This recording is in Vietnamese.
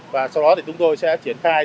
và sau đó thì chúng tôi sẽ triển khai